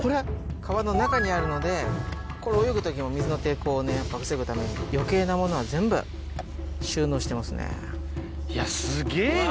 皮の中にあるので、これ、泳ぐときも水の抵抗を抑えるために、よけいなものは全部収納していや、すげーわ、